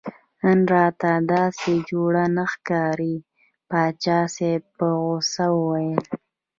نن راته داسې جوړ نه ښکارې پاچا صاحب په غوسه وویل.